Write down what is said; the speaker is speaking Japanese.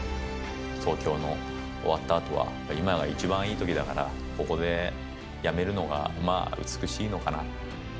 東京の終わったあとは、今が一番いいときだから、ここで辞めるのがまあ美しいのかな。